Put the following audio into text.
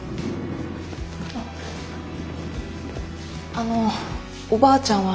あのおばあちゃんは？